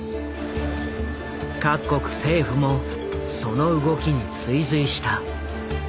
各国政府もその動きに追随した。